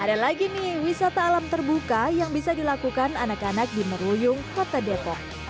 ada lagi nih wisata alam terbuka yang bisa dilakukan anak anak di meruyung kota depok